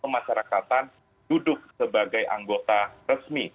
pemasyarakatan duduk sebagai anggota resmi